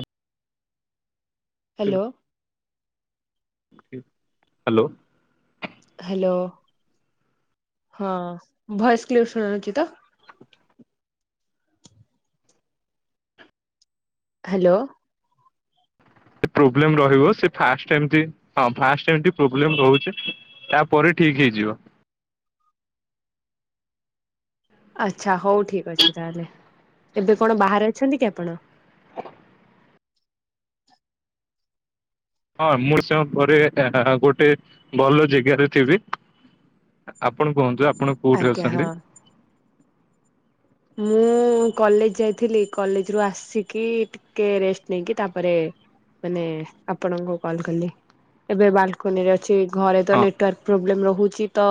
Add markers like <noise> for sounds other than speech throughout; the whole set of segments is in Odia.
App hello. ହାଲୋ। ହ୍ୟାଲୋ। ହଁ ଭଏସ କ୍ଲିପ ଶୁଣାଯାଉଚି ତ? ହ୍ୟାଲୋ। ପ୍ରୋବ୍ଲେମ ରହିବ। ସେ ଫାଷ୍ଟ ଏମତି ହଁ ଫାଷ୍ଟ ଏମତି ପ୍ରୋବ୍ଲେମ ରହୁଚି। ତାପରେ ଠିକ୍ ହେଇଯିବ। ଆଚ୍ଛା ହଉ ଠିକ ଅଛି ତାହେଲେ। ଏବେ କଣ ବାହାରେ ଅଛନ୍ତି କି ଆପଣ? ହଁ ମୁଁ ସେୟଁ ପରେ ଏଁ ଏଁ ଏଁ ଗୋଟେ ଭଲ ଜେଗାରେ ଥିବି। ଆପଣ କୁହନ୍ତୁ ଆପଣ କୋଉଠି ଆଜ୍ଞା ଅଛନ୍ତି? ମୁଁ। ମୁଁ କଲେଜ ଯାଇଥିଲି। କଲେଜ ରୁ ଆସିକି ଟିକେ ରେଷ୍ଟ ନେଇକି ତାପରେ ମାନେ ଆପଣଙ୍କୁ କଲ କଲି ଏବେ ବାଲକୁନିରେ ଅ ଛି। ଘରେ ତ ହଁ ନେଟୱାର୍କ ପ୍ରୋବ୍ଲେମ୍ ରହୁ ରହୁଚି ତ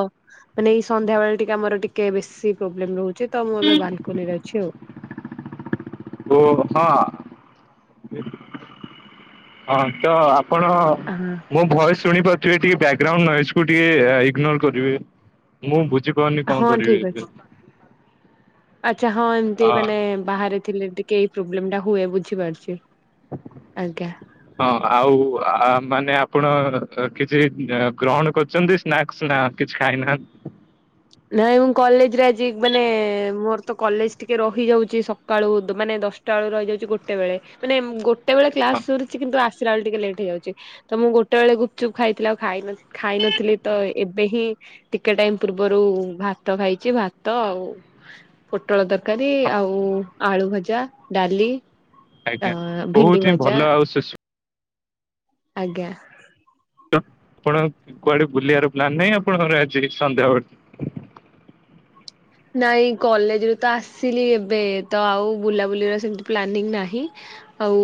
ମାନେ ଏଇ ସନ୍ଧ୍ୟାବେଳେ ଟିକେ ଆମର ଟିକେ ବେଶୀ ପ୍ରୋବ୍ଲେମ ରହୁଚି ତ ମୁଁ ଏବେ <unintelligible> ଅଛି ଆଉ। ଓ ହଁ ହଁ ତ ଆ ଆପଣ ମୋ ଭଏସ ଶୁଣି ପାରୁଥିବେ ଟିକେ ବ୍ୟା ଗ୍ରାଉଣ୍ଡ ନଏଜକୁୁ ଟିକେ ଇଗ୍ନୋର କରିବେ ମୁଁ ବୁଝିି କହନି ହଁ କଣ ହଁ ଠିକ କରିବି ଅଛି ଏଥିରେ ଆଚ୍ଛା ହଁ ଏମତି ମାନେ ବାହାରେ ଥିଲେ ଟିକେ ଏଇ ପ୍ରୋବ୍ଲେମ ଟା ହୁଏ ବୁଝିପାରୁଚି। ହଁ ଆଉ ଆ ମାନେ ଆ ଆପଣ କିଛି ଗ୍ରହଣ କରୁଛନ୍ତି ସ୍ନାସ୍ ନା କିଛି ଖାଇନାହାନ୍ତି। ନାଇଁ ମୁଁ କଲେଜରେ ଆଜି ମାନେ ମୋର ତ କଲେଜ ଟିକେ ରହିଯାଉଛି ସକାଳୁ ମାନେ ଦଶଟା ବେଳୁ ରହିଯାଉଛି ଗୋଟେ ବେଳେ ମାନେ ଗୋ କେତେବେଳେ ହଁ କ୍ଲାସ୍ ସରୁ ଛି କିନ୍ତୁ ଆସିଲା ବେଳେ ଟିକେ ଲେଟ୍ଇଯାଉଛି ତ ମୁଁ ଗୋଟେ ବେଳେ ଗୁପଚୁପ ଖାଇଥିଲ ଆଉ ଖାଇନି। ଖାଇ ନଥିଲି ତ ଏବେ ହିଁ ଟିକେ ଟାଇମ ପୂର୍ବ ପୂର୍ବରୁ ଭାତ ଖାଇଛି ଭାତ ଆଉ ପୋଟଳ ତରକାରୀ ଆଉ ଆଳୁଭଜା। ଭଜା ଡାଲି। ଅ ଆଜ୍ଞା ଭେଣ୍ଡି ବହୁତ ହିଁ ଭଜା ଭଲ ଆଉ ସୁସ ଆଜ୍ଞା। ଆପଣ କୁଆଡେ ବୁଲିବାର ପ୍ଲାନ ନାହିଁ ଆପଣଙ୍କର ଆଜି ସନ୍ଧ୍ୟା ବେଳେ? ନାଇଁ କଲେଜ ରୁ ତ ଆସିଲି ଏବେ ତ ଆଉ ବୁଲାବୁଲିର ସେମିତି ପ୍ଲାନିଂ ନାହିଁ। ଆଉ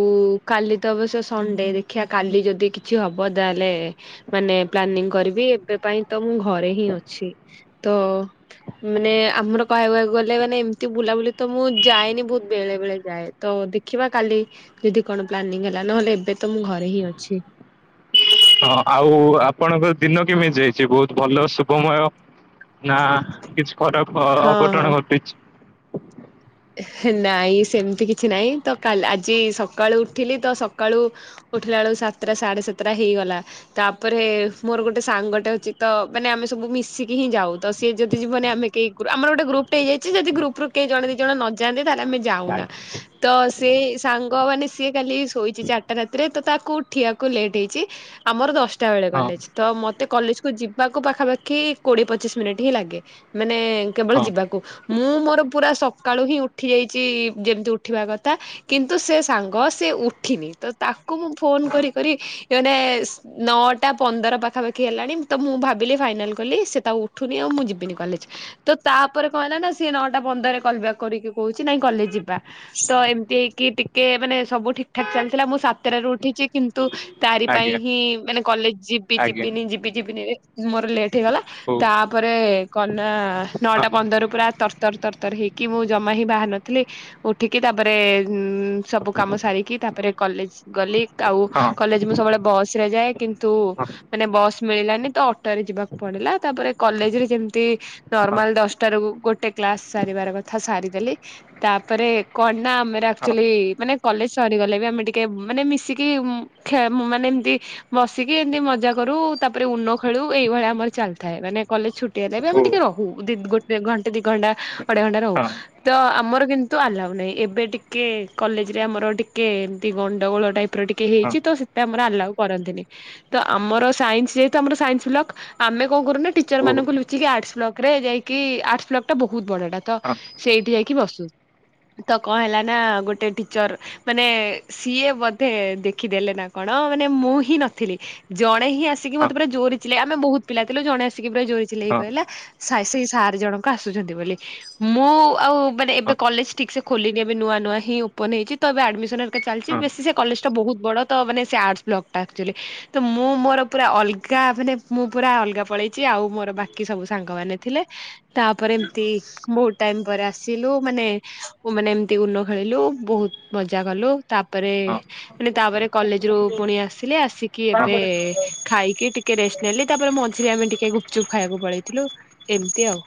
କାଲି ତ ଅବଶ୍ୟ ସଣ୍ଡେ ଦେଖିବା କାଲି ଯଦି କିଛି ହବ ତାହେଲେ ମାନେ ପ୍ଲାନିଂ କରିବି ଏବେ ପାଇଁ ତ ମୁଁ ଘରେ ହିଁ ଅଛି ତ ମାନେ ଆମର କହିବାକୁ ଗଲେ ମାନେ ଏମିତି ବୁଲାବୁଲି ତ ମୁଁ ଯାଏନି ବହୁତ ବେଳେ ବେଳେ ଯାଏ ତ ଦେଖିବା କାଲି ଯଦି କଣ ପ୍ଲାନିଂ ହେଲା ନହେଲେ ଏବେ ତ ମୁଁ ଘରେ ହିଁ ଅଛି। ହଁ ଆଉ ଆପଣଙ୍କ ଦିନ କେମିତି ଯାଇଛି ବହୁତ ଭଲ ଶୁଭମୟ? ନା କିଛି ଖରାପ ହଁ ହଁ। ଅଘଟଣ ଘଟିଛି। ନାଇଁ ସେମିତି କିଛି ନାଇଁ ତ କାଲି ଆଜି ସକାଳୁ ଉଠିଲି ତ ସକାଳୁ ଉଠିଲା ବେଳକୁ ସାତଟା ସାଢେ ସାତଟା ହେଇଗଲା ତାପରେ ମୋର ଗୋଟେ ସାଙ୍ଗଟେ ଅଛି ତ ମାନେ ଆମେ ସବୁ ମିଶିକି ହିଁ ଯାଉ ତ ସେ ଯଦି ଯିବନି ଆମେ କେହି ଆମର ଗୋଟେ ଗପଟ ହେଇ ଯାଇ ଯଦ ଗୁପରୁୁ କେହି ଜଣ ଜଣ ନଯାଆନ୍ତି ତାହେଲେ ଆମେ ଯାଉନା ତ ସେ ସାଙ୍ଗ ମାନେ ସିଏ କାଲି ଶୋଇଛି ଚାର୍‌ଟା ରାତିରେ ତ ତାକୁ ଉଠିବାକୁ ଲେଟ ହେଇଛି ଆମର ଦଶ ଶଟା ବେଳେ ହଁ କଲେଜ ତ ମୋତେ ମତେ କଲେଜ କୁ ଯିବାକୁ ପାଖାପାଖି କୋଡିଏ ପଚିଶ ମିନିଟ୍ ହିଁ ଲାଗେ ମାନେ କେବଳ ହଁ ଯିବାକୁ ମୁଁ ମୋର ପୁରା ସକ୍ ସକାଳୁ ହିଁ ଉଠି ଯାଇଛି ଯେମିତି ଉଠିବା କଥା କିନ୍ତୁ ସେ ସାଙ୍ଗ ସେ ଉଠିନି ତ ତାକୁ ତାକୁ ମୁଁ ଫୋନ କରି କରି ମାନେ ନଅଟା ପନ୍ଦର ପାଖାପାଖି ହେଲାଣି ତ ମୁଁ ଭାବିଲି ଫାଇନାଲ୍ କଲି ସେ ତ ଆଉ ଉଠୁିନି ଆଉ ମୁଁ ଯିବନି କଲେଜ ତ ତାପରେ କଣ ହେଲାନା ସେ ନଅ ଟା ପନ୍ଦରରେ କଲ୍ ବ୍ୟାକ୍ କରିକି କହୁଛି ନାଇଁ କଲେ ଯିବା ତ ଏମିତି ହେଇକି ଟିକେ ମାନେ ସବୁ ଠିକ୍ ଠାକ ଚାଲିଥିଲା ମୁଁ ସାତରାରୁ ଉଠିଛି କିନ୍ତୁ ତାରି ପାଇଁ ଆଜ୍ଞା ହିଁ ମାନେ କଲେଜ ଯିବି ଆଜ୍ଞା ଯିବିନି ଯିବି ଯିବିନି ମୋର ଲେଟ୍ ହେଇଗଲା। ହଉ ତାପରେ କଣନା ହଁ ନଅଟା ପନ୍ଦରରୁ ପୁରା ତରତର ତରତର ହେଇକି କି ମୁଁ ଜମା ହିଁ ବାହାର ନଥିଲି ଉଠିକି ତାପରେ ଉୁଁ ସବୁ କାମ ସାରିକି ତାପରେ କଲେଜ ଗଲି ଆଉ ହଁ କଲେଜ ମୁଁ ସବୁବେଳେ ବସ ରେ ଯାଏ କିନ୍ତୁ ହଁ ମାନେ ବସ ମିଳିଲାନି ତ ଅଟୋରେ ଯିବାକୁ ପଡିଲା ତାପରେ କଲେଜ ରେ ଯେମତି ହଁ ନର୍ମାଲ ଦଶଟା ରୁ ଗୋଟେ କ୍ଲାସ ସାରିବାର କଥା ସାରିଦେଲି ତାପରେ କନା ଆମର ହଁ ହଉ ହଁ ହଁ ହଉ ହଁ ହଁ ହଁ ଆକଚୁଆଲି ମାନେ କଲେଜ ସରିଗଲେ ବି ଆମେ ଟିକେ ମାନେ ମିଶିକି ଉଁ ମାନେ ଏମତି ବସିକି ଏମିତି ମଜା କରୁ ତାପରେ ଉନ ଖେଳୁ ଏଇ ଏହି ଭଳିଆ ଆମର ଚାଲିଥାଏ ମାନେ କଲେଜ ଛୁଟି ହେଲେ ବି ଆମେ ଟିକେ ରହୁ ଦି ଘଣ୍ଟେ ଦି ଘଣ୍ଟା ଅଢେ ଘଣ୍ଟା ରହୁ। ତ ଆମର କିନ୍ତୁ ଆଲାଉ ନାହିଁ ଏବେ ଟିକେ କଲେଜରେ ଆମର ଟିକେ ଏମତି ଗଣ୍ଡଗୋଳ ଟାଇପର ଟିକେ ହେଇଛି ତ ସେଟା ପାଇଁ ଆମର ଆଲଉ କରନ୍ତିନି ତ ଆମର ସାଇନ୍ସ ଯେହେତୁ ଆମର ସାଇନ୍ସ୍ ବ୍ଲକ ଆମେ କଁ କରୁନା ଟିଚର ମାନଙ୍କୁ ଲୁଚିକି ଆର୍ଟସ ବ୍ଲକରେ ଯାଇକି ଆର୍ଟସ୍ ବ୍ଲକ ଟା ବହୁତ ବଡ ଟା ତ ସେଇଠି ଯାଇକି ବସୁ। ତ କଣ ହେଲା ନା ଗୋଟେ ଟିଚର ମାନେ ସିଏ ବୋଧେ ଦେଖିଦେଲେ ନା କଣ ହଁ ମାନେ ମୁଁ ହିଁ ନଥିଲି, ଜଣେ ହିଁ ଆସିକି ମତେ ପୁରା ଜୋରେ ଆମେ ବହୁତ ପିଲା ଥିଲୁ, ଜଣେ ଆସିକି ପୁରା ଜୋରେ ଚିଲେଇକି କହିଲେ -ସେଇ ସାର ଜଣକ ଆସୁଛନ୍ତି ବୋଲି ମୁଁ ଆଉ ମାନେ, ଏବେ କଲେଜ ଠିକ ସେ ଖୋଲିଲିନି ଏବେ ନୂଆ ନୂଆ ହିଁ ଓ ଉପନ ହୋଇଛି ତ ଏବେ ଆଡମିସନର ଚାଲିଛି ବେଶୀ ସେ କଲେଜ ଟା ବହୁତ ବଡ଼ ଦ ଆର୍ଟସ୍ ବ୍ଲକ୍ ଆକ୍ଚୁଲୀ, ତ ମୁଁ ମୋର ପୁରା ଅଲଗା ମାନେ ମୁଁ ପୁରା ଅଲଗା ପଳେଇଛି ଆଉ ମୋର ବାକି ସବୁ ସାଙ୍ଗ ମାନ ଥିଲେ ତାପରେ ଏମତି ବହୁତ ଟାଇମ ପରେ ଆସିଲୁ, ମାନେ ମାନେ ଏମତି ଉନ ଖେଳିଲୁ ବହୁତ ମଜା କଲୁ ତାପରେ ହଁ ମାନେ <unintelligible> ତାପରେ କଲେଜ ରୁ ପୁଣି ଆସିଲେ ଆସିକି ଏବେ ହଁ ହଁ ଖାଇକି ଟି ଟିକେ ରେଷ୍ଟ ନେଲି ତାପରେ ମଝିରେ ଆମେ ଟିକେ ଗୁପଚୁପ୍ ଖାଇବାକୁ ପଳେଇଥିଲୁ, ଏମିତି ଆଉ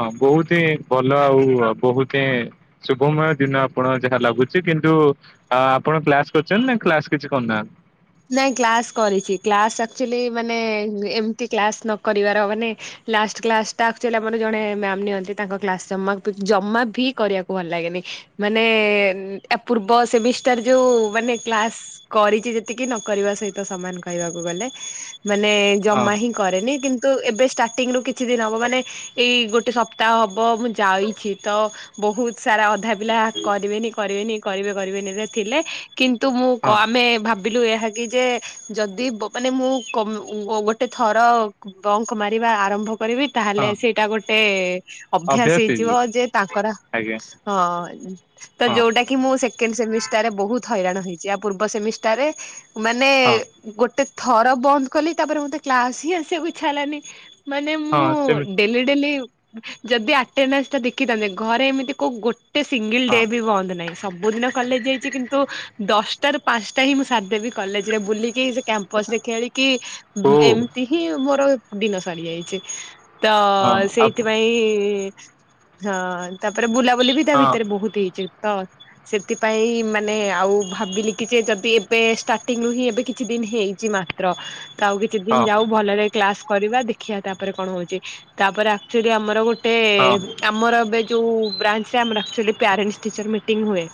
ହଁ ବହୁତ ହିଁ ଭଲ ଆଉ ବହୁତି ହିଁ ଶୁଭମୟ ଦିନ ଆପଣ ଯାହା ଲାଗୁଛି କିନ୍ତୁ ନ୍ତୁ ଆପଣ କ୍ଲାସ କରୁଛନ୍ତି ନା କ୍ଲାସ କିଛି କରୁନାହାନ୍ତି ନାଇଁ କ୍ଲାସ କରିଛି, କ୍ଲାସ ଆଚୁଲି ମାନେ ଏମତି କ୍ଲାସ ନ କରିବାର ମାନେ ଲାଷ୍ଟ କ୍ଲାସଟା ଆକ୍ଚୁଲି ଆମର ଜଣେ ମ୍ୟାମ ନିଅନ୍ତି, ତାଙ୍କ କ୍ଲାସ ଜ ଜମା ବି କରିବାକୁ ଭଲ ଲାଗେନି। ମାନେ ପୂର୍ବ ସେମିଷ୍ଟାର ଯୋଉ ମାନେ କ୍ଲାସ କରିଛି ଏତିକି ନ କରିବା ସହିତ ସମାନ କହିବାକୁ ଗଲେ, ମାନେ ହଁ ଜମା ହିଁ କରେନି କିନ୍ତୁ ଏବେ ଷ୍ଟାଟିଙ୍ଗ୍ ରୁ କିଛି ଦିନ ହେବ, ମାନେ ଏଇ ଗୋଟେ ସପ୍ତାହ ହେବ ମୁଁ ଯାଇଛି ତ ବହୁତ ସାରା ଅଧା ପିଲା କରିବେନି, କରିବେନି, କରିବେ କରିବେନି, ସେ ଥିଲେ କିନ୍ତୁ ମୁଁ ହଁ ଆମେ ଭାବ ଭାବିଲୁ ଏହା କି ଯେ -ଯଦି ମାନେ ମୁଁ ଗୋଟେ ଥର ବଙ୍କ ମାରିବା ଆରମ୍ଭ କରିବି ତାହେଲେ ହଁ ସେଇଟା ଗୋଟେ ଅଭ୍ୟାସ ହେଇଯିବ, ଯେ ତାଙ୍କର ଆଜ୍ଞା ହଁ ତ ହଁ ଯୋଉଟା କି ମୁଁ ସେ ସେକେଣ୍ଡ ସେମିଷ୍ଟାର ରେ ବହୁତ ହଇରାଣ ହେଇଛି, ଇଆ ପୂର୍ବ ସେମିଷ୍ଟ ତରେ ମାନେ ହଁ ଗୋଟେ ଥର ବନ୍ଦ କଲି, ତାପରେ ମତେ କ୍ଲାସ ହିଁ ଆସିବାକୁ ଇଛାହେଲାନି। ମାନେ ହଁ ସେମିତି ମୁଁ ଡେଲି ଡେଲି ଯଦି ଆଟେଣ୍ଡନାଶ ଟା ଦେଖିଥାନ୍ତେ ଘରେ ଏମିତି କୋଉ ଗୋଟେ ସିଙ୍ଗଲ ହଁ ଡେବି ବନ୍ଦ ନାହିଁ, ସବୁଦିନ ଦିନ କଲେଜ ଯାଇଛି କିନ୍ତୁ ଦଶଟାରୁ ପାଞ୍ଚ ଟା ହିଁ ସାରିଦେବି କଲେଜରେ ବୁଲିକି, ସେ କ୍ୟାମ୍ପସ ରେ ଖେଳିକି ଓ ଏମିତି ହିଁ ମୋର ଦିନ ସରିଯାଇଛି, ତ ହଁ ଅ ସେଇଥିପାଇଁ ହଁ ତାପରେ ବୁଲାବୁଲି ବି ତା ଆ ହଁ ଭିତରେ ବହୁତ ହେଇଛି। ତ ସେଥିପାଇଁ ମାନେ ଆଉ ଭାବିଲି କି, ଯେ ଯଦି ଏବେ ଷ୍ଟାର୍ଟିଙ୍ଗ ରୁ ହିଁ ଏବେ କିଛି ଦିନ ହେଇଛି ମାତ୍ର, ତ ଆଉ କିଛି ଦିନ ହଁ ଯାଉ ଭଲରେ କ୍ଲାସ କରିବା ଦେଖିବା ତାପରେ କଣ ହଉଛି, ତାପରେ ଆକ୍ଚୁଲି ଆମର ଗୋଟେ, ଏ ହଁ ଆମର ଏବେ ଯୋଉ ବ୍ରାଞ୍ଚରେ ଆମର ଆକଚୁଆଲି ପ୍ୟାରେଣ୍ଟ ଟିଚର ମିଟିଙ୍ଗ ହୁଏ,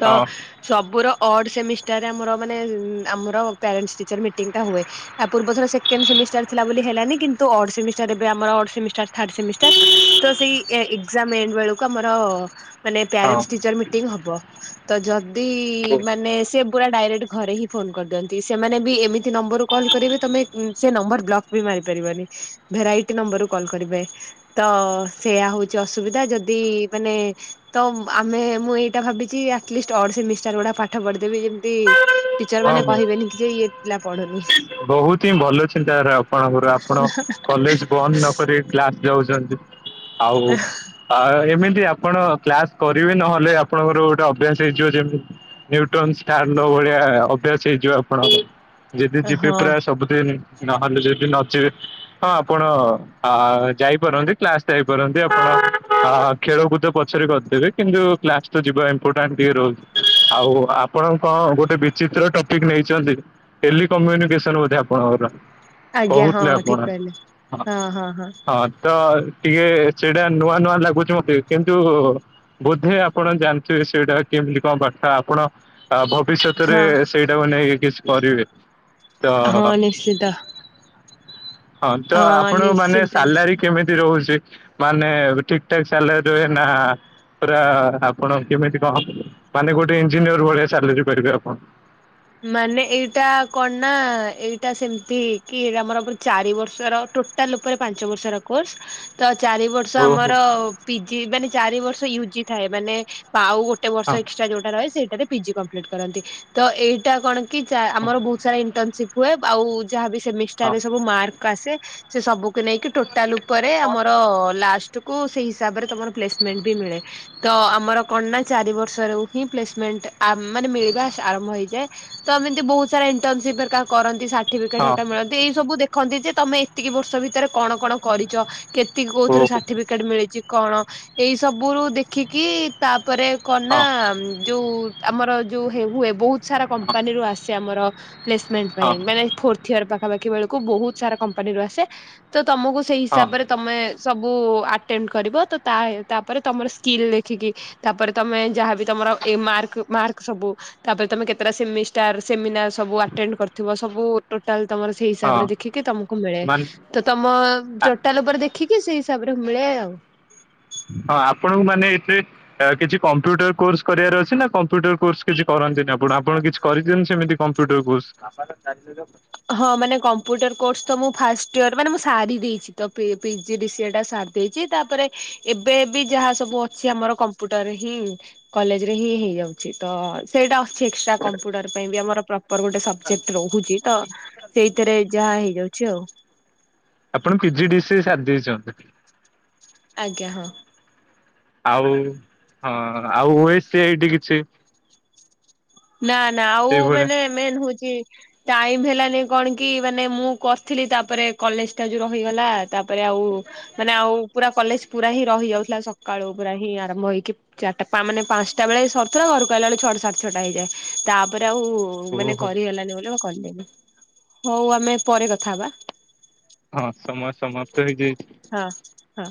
ତ ହଁ ହଁ ହଁ ସବୁର ଅଡ୍ ସେମିଷ୍ଟାରରେ ଆମର ମାନେ ଉ ଆମର ପ୍ୟାରେଣ୍ଟ ଟିଚରସ ମିଟିଙ୍ଗ ଟା ହୁଏ, ଇଆ ପୂର୍ବଥର ସେକେଣ୍ଡ ସେମିଷ୍ଟାର ଥିଲା। ଥିଲା ବୋଲି ହେଲାନି କିନ୍ତୁ ଅଡ଼ ସେମିଷ୍ଟାର ଏବେ ଆମର ଅଡ଼ ସେମିଷ୍ଟାର ଥାର୍ଡ଼ ସେମିଷ୍ଟାର ତ ସେଇ ଏକଜାମ ଏଣ୍ଡ ବେଳକୁ ଆମରର ମାନେ ପ୍ୟାରେଣ୍ଟସ ଟିଚର୍ସ ମିଟିଙ୍ଗ ହେବ, ତ ଯଦି ଏମାନେ ସି - ସେ ପୁରା ଡାଇରେକ୍ଟ ଘରେ ହିଁ ଫୋନ କରିଦିଅନ୍ତି, ସେମାନେବି ଏମିତି ନମ୍ବରରୁ କଲ୍ କରିବେ, ତମେ ସେ ନମ୍ବର ବ୍ଲକ୍ ବି ମାରିପାରିବନି, ଭେରାଇଟ ନମ୍ବରରୁ କଲ କରିବେ ତ ସେଇଆ ହଉଛି ଅସୁବିଧା, ଯଦି ଇ ମାନେ ତ ଆମେ ମୁଁ ଏଇଟା ଭାବିଛି ଆଟଲିଷ୍ଟ ଅଡ଼ ସେମିଷ୍ଟାର ଗୁଡ଼ା ପାଠ ପଠି ଯେବେ ବି ଯେମିତି ଟିଚର ମାନେ କହିବେନି କି, ଯେ- ଇଏ ପିଲା ପଢୁନି। ବହୁତ ହିଁ ଭଲ ଚିନ୍ତାଧାରା ଆପଣଙ୍କର, ଆପଣ କଲେଜ ବନ୍ଦ ନକରି କ୍ଲାସ ଯାଉଛନ୍ତି। <inaudible> ଆଉ ଆ, ଏମିତି ଆ ଆପଣ କ୍ଲାସ କରିବେ, ନହେଲେ ଆପଣଙ୍କର ଗୋଟେ ଅଭ୍ୟାସ ହେଇଯିବ ଯେ ମୁଁ ନ୍ୟୁଟନ ଷ୍ଟାର ନ ଭଳିଆ ଅଭ୍ୟାସ ହେଇଯିବ ଆପଣଙ୍କର, ଯଦି ଯିବେ ହଁ ପୁରା ସବୁଦିନ ନହେଲେ ଯଦି ନଯିବେ, ହଁ ଆପଣ ଆ ଯାଇପାରନ୍ତି କ୍ଲାସ୍ ଯାଇପାରନ୍ତି, ଆପଣ ଆ ଖେଳକୁଦ ପଛରେ କରିଦେବେ କିନ୍ତୁ କ୍ଲାସ ତ ଯିବା ଇମ୍ପୋର୍ଟାଣ୍ଟ ଟିକେ ରହୁଛି। ଆଉ ଆପଣ କଣ ଗୋଟେ ବିଚିତ୍ର ଟପିକ ନେଇଛନ୍ତି ଟେଲିକୋମୁନିକେସନ। <unintelligible> ଆପଣଙ୍କର ଆଜ୍ଞା ହଁ କହୁଥିଲେ ଆପଣ ଠିକ କହିଲେ ହଁ ହଁ ତ ଟିକେ ସେଇଟା ନୂଆ ନୂଆ ଲାଗୁଛି ମତେ କିନ୍ତୁ ବୋଧେ ଆପଣ ଜାଣିଥିବେ ସେଇଟା କେମିତି କଣ ବାର୍ତ୍ତା ଆପଣ ଆ ଭବିଷ୍ୟତରେ ହଁ ସେଇଟାକୁ ନେଇକି କିଛି କରିବେ ତ ହଁ ନିଶ୍ଚିତ। ହଁ ତ ଆପଣଙ୍କ ମାନେ ନିଶ୍ଚିନ୍ତ ନିଶ୍ଚିନ୍ତ ସାଲାରୀ କେମିତି ରହୁଛି? ମାନେ ଠିକଠାକ ସାଲାରୀ ରୁହେ ନା ପରା ଆପଣ କେମିତି କଣ ମାନେ ଗୋଟେ ଇଞ୍ଜିନିୟର ଭଳିଆ ସାଲେରୀ ପାଇବେ ଆପଣ ମାନେ ଏଇଟା କଣ ନା ଏଇଟା ସେମିତି କି ଆମର ୟେ ଚାରି ବର୍ଷର ଟୋଟାଲ ଉପରେ ପାଞ୍ଚବର୍ଷର କୋର୍ସ ତ ଚାରି ବର୍ଷ ଓହୋ ଆମର ପିଜି ମାନେ ଚାରି ବର୍ଷ ୟୁଜି ଥାଏ ମାନେ ଆଉ ଗୋଟେ ବର୍ଷ ହଁ ଏକ୍ସଟ୍ରା ଯୋଉଁଟା ରହେ ସେଇଟାରେ ପିଜି କମ୍ପ୍ଲିଟ୍ କରନ୍ତି ତ ଏଇଟା କଣ କି ହଁ ଆମର ବହୁତ ସାରା ଇଣ୍ଟରନସିପ ହୁଏ। ଆଉ ଯାହାବି ସେମିଷ୍ଟାର ହଁ ରେ ସବୁ ମାର୍କ ଆସେ ସେ ସବୁକୁ ନେଇକି ଟୋଟାଲ ଉପରେ ଆମର ଲାଷ୍ଟକୁୁ ସେଇ ହିସାବରେ ତମର ପ୍ଲେସମେଣ୍ଟ ବି ମିଳେ। ତ ଆମର କଣ ନା ଚାରି ବର୍ଷ ରୁହିଁ ପ୍ଲେସମେଣ୍ଟ ଆମେ ମାନେ ମିଳିବା ଆରମ୍ଭ ହେଇଯାଏ। ତ ଏମିତି ବହୁତ ସାରା ଇଣ୍ଟରନସିପ କରନ୍ତି। ଥୀବିକା ହଁ ଢେବଟା ମିଳନ୍ତି। ଏଇ ସବୁ ଦେଖନ୍ତି ଯେ ତମେ ଏତିକି ବର୍ଷ ଭିତରେ କଣ କଣ କରିଛ। କେତିକି କୋଉଁଥିର ଓହୋ ସାର୍ଟିଫିକେଟ ମିଳିଛି କଣ ଏଇ ସବୁ ରୁ ଦେଖିକି ତା ତା ପରେ କଣ ନା ହଁ ଯୋଉଁ ଆମର ଯୋଉଁ ହୁଏ ବହୁତ ସାରା କମ୍ପାନୀରୁୁ ଆସେ ଆମର ପ୍ଲେସମେଣ୍ଟ ହଁ ପାଇଁ ମାନେ ଫୋର ଇଅର ପାଖାପାଖି ବେଳକୁ ବହୁତ ସାରା କମ୍ପାନୀରୁ ଆସେ ତ ତମକୁ ସେଇ ହଁ ହିସାବରେ ତମେ ସବୁ ଆଟେମେଟ କରିବ ତ ତାପରେ ତମର ସ୍କିଲ୍ ଦେଖିକି ତାପରେ ତମେ ଯାହାବି ତମ ର ଏଇ ମାର୍କ ମାର୍କ ସବୁ ତାପରେ ତମେ କେତେ ସେମିଷ୍ଟାର ସେମିନାର ସବୁ ଆଟେଣ୍ଡ କରିଥିବ ସବୁ ଟୋଟାଲ ତମର ସେଇ ହଁ ହିସାବରେ ଦେଖିକି ତମକୁ ମିଳେ ମାନେ ତ ତମ ଆ ଟୋଟାଲ ଉପରେ ଦେଖ ଠିକେ ସେଇ ହିସାବରେ ମିଳେ ଆଉ ହଁ ଆପଣଙ୍କୁ ମାନେ ଏଥିରେ କିଛି କମ୍ପ୍ୟୁଟର କୋର୍ସ କରିବାର ଅଛି ନା କମ୍ପ୍ୟୁଟର କୋର୍ସ କିଛି କରନ୍ତିନି ଆପଣ ଆପଣ କିଛି କରିନ୍ତି ସେମିତି କମ୍ପ୍ୟୁଟର କୋର୍ସ ହଁ ମାନେ କମ୍ପ୍ୟୁଟର କୋର୍ସ ତ ମୁଁ ଫାଷ୍ଟ ଇୟର ମାନେ ମୁଁ ସାରି ଦେଇଛି। ତ ପି ପିଜି ଡିସିଏ ଟା ଟା ସାରି ଦେଇଛି ତାପରେ ଏବେ ବି ଯାହା ସବୁ ଅଛି। ଅଛି ଆମର କମ୍ପ୍ୟୁଟରରେ ହିଁ କଲେଜ ରେ ହିଁ ହେଇଯାଉଛି ତ ସେଇଟା ଏକ୍ଟ୍ରା କମ୍ପ୍ୟୁଟର ପାଇଁ ବି ଆମର ପ୍ରପର ଗୋଟେ ସବଜେକ୍ଟ ରହୁଛି ତ ସେଇଥିରେ ଯାହା ହେଇଯାଉଛି ଆଉ ଆପଣ ପି ଜି ଡିସିଏ ସାରିଦେଇଛନ୍ତି। ଆଜ୍ଞା ହଁ। ଆଉ ହଁ ଆଉ ଉ କିଛି ନା ନା ଆଉ ସେଇଭଳିଆ ମାନେ ମେନ୍ ହଉଛି ଟାଇମ ହେଲାନି କଣ କି ମାନେ ମୁଁ କରିଥିଲି। ତାପରେ କଲେଜ ଟା ଯୋଉଁ ରହିଗଲା। ତାପରେ ଆଉ ଆଉ ମାନେ ଆଉ ପୁରା କଲେଜ ପୁରା ହିଁ ରହିଯାଉଥିଲା। ସକାଳୁ ପୁରା ହିଁ ଆରମ୍ଭ ହେଇକି ଚାରିଟା ପାଞ୍ଚ ମାନ ପାଞ୍ଚଟା ବେଳେ ସରିଥିଲା ଘରକୁ ଆସିଲା ବେଳେ ଛଅଟା ସାଢେ ଛଟା ହେଇଯାଏ। ତାପରେ ଆଉ ଓହୋ ମାନେ ହଁ କରିହଲାନି ବୋଲି ବା ମୁଁ କରି ହଉଁ ଆମେ ପରେ କଥା ହବା। ହଁ ସମୟ ସମାପ୍ତ ହେଇଯାଇଛି। ହଁ ହଁ।